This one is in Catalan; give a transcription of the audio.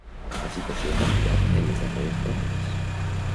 La situació ha canviat en les darreres dècades.